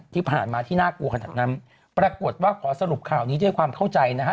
ที่ผ่านมาที่น่ากลัวขนาดนั้นปรากฏว่าขอสรุปข่าวนี้ด้วยความเข้าใจนะฮะ